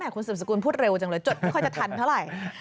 คุณสืบสกุลพูดเร็วจังเลยจดไม่ค่อยจะทันเท่าไหร่